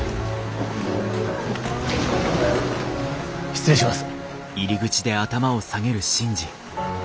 失礼します。